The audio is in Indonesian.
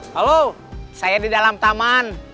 halo saya di dalam taman